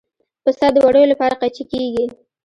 پسه د وړیو لپاره قیچي کېږي.